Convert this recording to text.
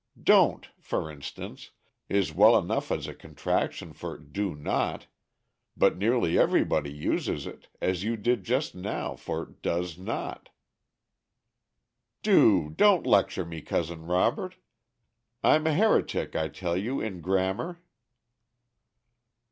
'Don't,' for instance, is well enough as a contraction for 'do not, but nearly everybody uses it, as you did just now, for 'does not.'" "Do don't lecture me, Cousin Robert. I'm a heretic, I tell you, in grammar."